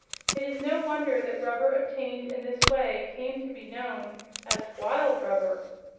It is no wonder that rubber obtained in this way came to be known as "wild rubber."